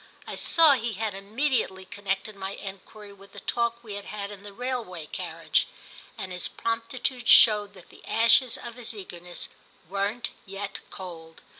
I saw he had immediately connected my enquiry with the talk we had had in the railway carriage, and his promptitude showed that the ashes of his eagerness weren't yet cold.